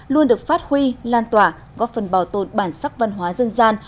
luôn được phát huy lan tỏa góp phần bảo tồn bản sắc văn hóa dân gian